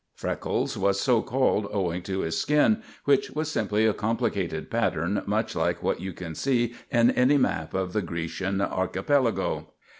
Freckles was so called owing to his skin, which was simply a complicated pattern much like what you can see in any map of the Grecian Archipelago.